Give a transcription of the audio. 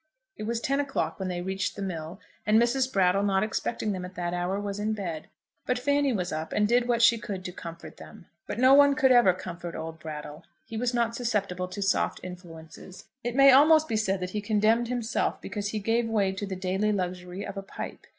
It was ten o'clock when they reached the mill, and Mrs. Brattle, not expecting them at that hour, was in bed. But Fanny was up, and did what she could to comfort them. But no one could ever comfort old Brattle. He was not susceptible to soft influences. It may almost be said that he condemned himself because he gave way to the daily luxury of a pipe.